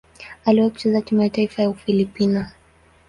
Aliwahi kucheza timu ya taifa ya Ufilipino.